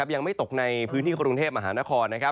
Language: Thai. ยังไม่ตกในพื้นที่กรุงเทพมหานคร